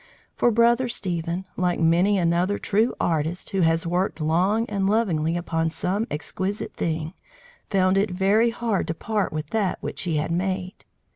For Brother Stephen, like many another true artist who has worked long and lovingly upon some exquisite thing, found it very hard to part with that which he had made.